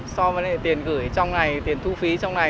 so với tiền gửi trong này tiền thu phí trong này